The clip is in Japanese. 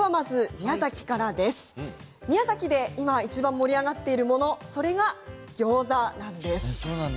宮崎で今いちばん盛り上がっているものそれはギョーザです。